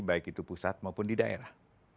baik itu pusat maupun di daerah